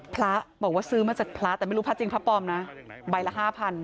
พระบอกว่าซื้อมาจากพระแต่ไม่รู้พระจริงพระปลอมนะใบละ๕๐๐